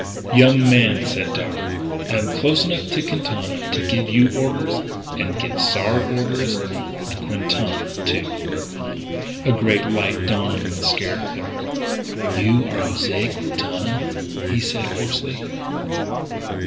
"Young man," said Darragh, "I'm close enough to Quintana to give you orders. And give Sard orders.... And Quintana, too!" A great light dawned on the scared clerk: "You are José Quintana!" he said hoarsely.